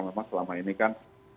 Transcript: memang selama ini kan